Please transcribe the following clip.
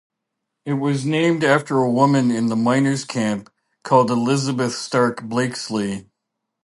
It was named after a woman in the miners camp called Elizabeth Stark Blakesley.